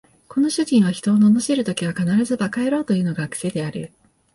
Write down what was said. この主人は人を罵るときは必ず馬鹿野郎というのが癖である